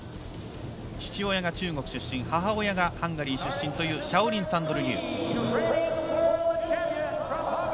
父親が中国出身母親がハンガリー出身というシャオリンサンドル・リュー。